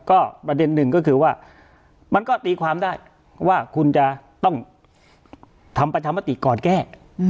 ก็ประเด็นหนึ่งก็คือว่ามันก็ตีความได้ว่าคุณจะต้องทำประชามติก่อนแก้